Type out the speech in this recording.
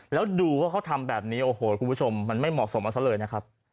แล้วดูว่าเขาทำแบบนี้โอ้โหคุณผู้ชมมันไม่เหมาะสมกับซะเลยนะครับ